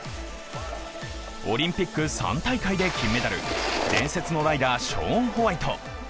オリンピック３大会で金メダル、伝説のライダー、ショーン・ホワイト。